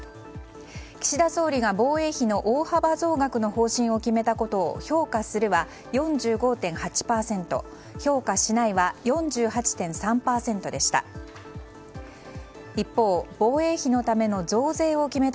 岸田総理が防衛費の大幅増額の方針を決めたことを評価するは４５．８％評価しないは４８．３％でした。